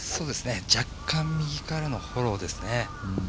若干右からのフォローですね。